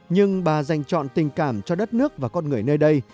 nhưng bà dành chọn tình cảm cho đất nước và con người nơi đây